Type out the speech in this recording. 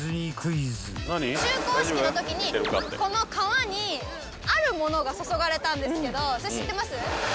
就航式のときにこの川にあるものが注がれたんですけどそれ知ってます？